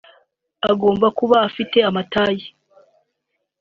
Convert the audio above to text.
agomba kuba afite amataye